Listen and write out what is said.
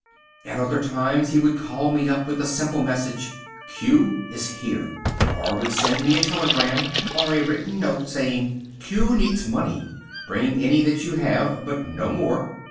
At other times he would call me up with the simple message, "Q is here," or would send me a telegram, or a written note saying, "Q needs money; bring any that you have, but no more."